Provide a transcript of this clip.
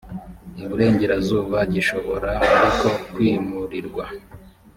iburengerazuba gishobora ariko kwimurirwa